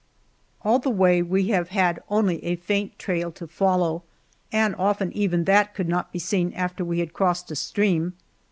All the way we have had only a faint trail to follow, and often even that could not be seen after we had crossed a stream.